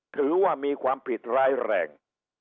ถือว่ามีความผิดร้ายแรง